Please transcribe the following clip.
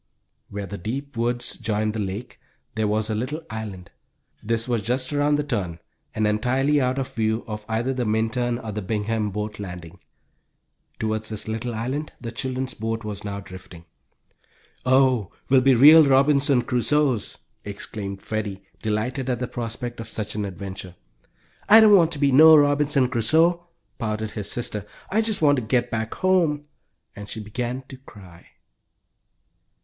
Where the deep woods joined the lake there was a little island. This was just around the turn, and entirely out of view of either the Minturn or the Bingham boat landing. Toward this little island the children's boat was now drifting. "Oh, we'll be real Robinson Crusoes!" exclaimed Freddie, delighted at the prospect of such an adventure. "I don't want to be no Robinson Crusoe!" pouted his sister. "I just want to get back home," and she began to cry.